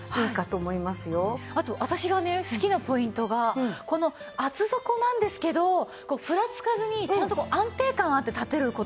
あと私がね好きなポイントがこの厚底なんですけどふらつかずにちゃんと安定感あって立てる事。